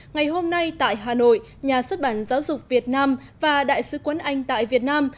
ngày hôm nay tại hà nội nhà xuất bản giáo dục việt nam và đại sứ quân anh tại việt nam